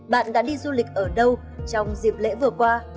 bạn đã đi du lịch ở đâu trong dịp lễ vừa qua